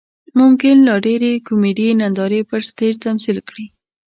ممکن لا ډېرې کومیډي نندارې پر سټیج تمثیل کړي.